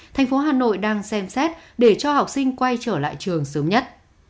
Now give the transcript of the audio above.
thành phố hà nội đang xem xét để cho học sinh quay trở lại trường sớm nhất